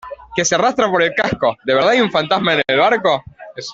que se arrastra por el casco. ¿ de verdad hay un fantasma en el barco?